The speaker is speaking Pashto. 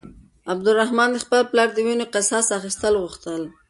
عبدالرحمن د خپل پلار د وينو قصاص اخيستل غوښتل.